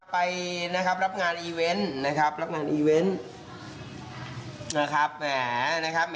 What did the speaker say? ไปรับงานอีเวนต์